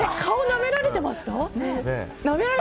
なめられてました？